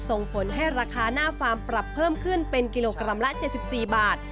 ส่งผลให้ราคาหน้าฟาร์มปรับเพิ่มขึ้นเป็นกิโลกรัมละ๗๔บาท